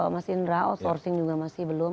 mas indra outsourcing juga masih belum